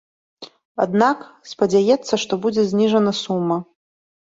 Аднак спадзяецца, што будзе зніжана сума.